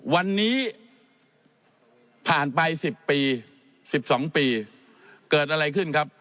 วันนี้ผ่านไป๑๐ปี๑๒ปีเกิดอะไรขึ้นครับ